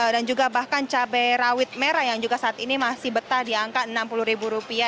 dan juga bahkan cabai rawit merah yang juga saat ini masih betah di angka enam puluh rupiah